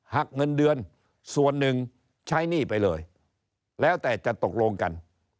หักเงินเดือนส่วนหนึ่งใช้หนี้ไปเลยแล้วแต่จะตกลงกัน